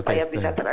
supaya bisa tereksekut